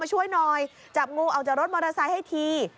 ช่วยหน่อยจับงูออกจากรถมอเตอร์ไซค์ให้ที